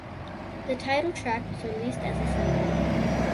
The title track was released as a single.